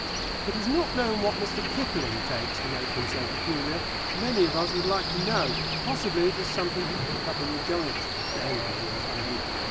It is not known what Mr. Kipling takes to make him so peculiar. Many of us would like to know. Possibly it is something he picked up in the jungle berries or something.